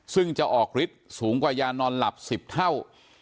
ซึ่งจะออกฤทธิ์สูงกว่ายานอนหลับ๑๐เท่า